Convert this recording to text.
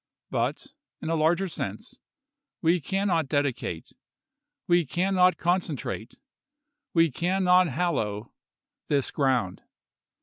But, in a larger sense, we can not dedicate — we can not consecrate — we can not hallow— this ground.